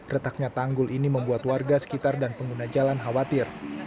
retaknya tanggul ini membuat warga sekitar dan pengguna jalan khawatir